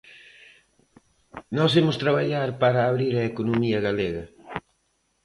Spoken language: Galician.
Nós imos traballar para abrir a economía galega.